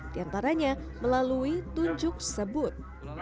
diantaranya melalui tunjuk sebut